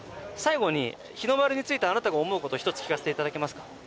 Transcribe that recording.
最後に日の丸についてあなたが思うことを一つ聞かせていただけますか？